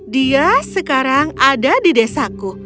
dia sekarang ada di desaku